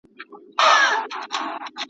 د ادم د رباب شرنګ ته انتظار یم `